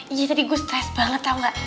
iya tadi gue stress banget tau gak